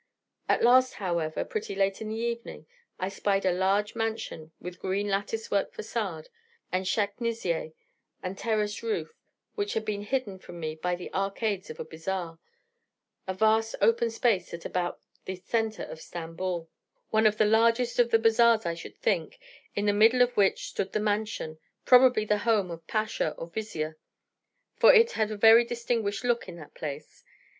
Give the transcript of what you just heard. At last, however, pretty late in the evening, I spied a large mansion with green lattice work façade, and shaknisier, and terrace roof, which had been hidden from me by the arcades of a bazaar, a vast open space at about the centre of Stamboul, one of the largest of the bazaars, I should think, in the middle of which stood the mansion, probably the home of pasha or vizier: for it had a very distinguished look in that place.